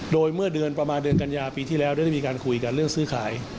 โดยเมื่อเดือนประมาณเดือนกัญญาปีที่แล้วได้มีการคุยกันเรื่องซื้อขาย